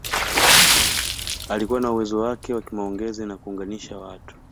Alikuwa na uwezo wake wa kimaongezi na kuunganisha watu